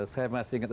saya masih ingat